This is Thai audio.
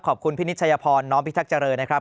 ขอบคุณพี่นิจชัยพรน้องพี่ทักเจริญนะครับ